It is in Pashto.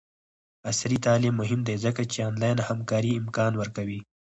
عصري تعلیم مهم دی ځکه چې د آنلاین همکارۍ امکان ورکوي.